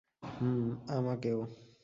হুম, আমাকেও।